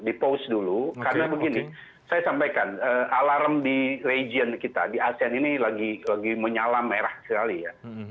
di post dulu karena begini saya sampaikan alarm di region kita di asean ini lagi menyalam merah sekali ya